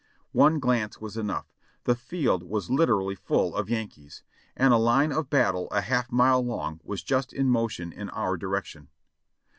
One glance was enough ; the field was literally full of Yankees, and a line of battle a half mile long was just in motion in our direction.